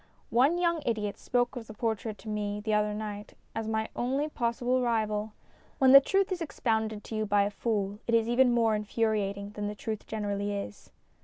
One young idiot spoke of the portrait to me the other night as my only possible rival. When the truth is ex pounded to you by a fool it is even more infuriating than the truth generally is.